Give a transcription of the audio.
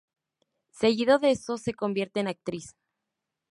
Seguido de eso se convierte en actriz.